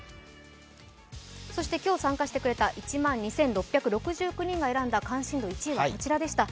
今日参加してくれた１万２６６９人が選んだ関心度１位はこちらでした。